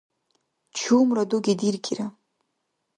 Чумра дуги диркӏира